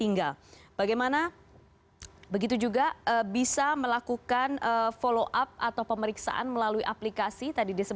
ini yang kami laporkan pada hari ini